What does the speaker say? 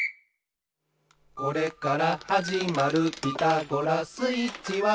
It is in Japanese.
「これからはじまる『ピタゴラスイッチ』は」